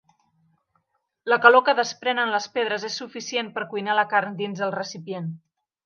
La calor que desprenen les pedres és suficient per cuinar la carn dins el recipient.